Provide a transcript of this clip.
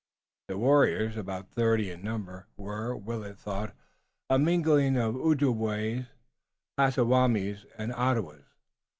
The warriors, about thirty in number, were, Willet thought, a mingling of Ojibways, Pottawattomies and Ottawas.